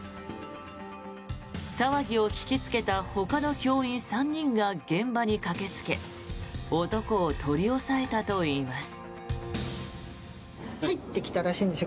騒ぎを聞きつけたほかの教員３人が現場に駆けつけ男を取り押さえたといいます。